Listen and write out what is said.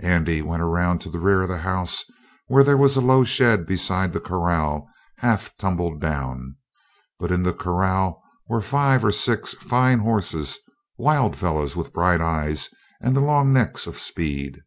Andy went around to the rear of the house, where there was a low shed beside the corral, half tumbled down; but in the corral were five or six fine horses wild fellows with bright eyes and the long necks of speed.